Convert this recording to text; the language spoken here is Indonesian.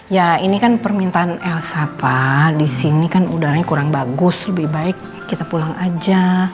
ya ini kan permintaan el sampah di sini kan udaranya kurang bagus lebih baik kita pulang aja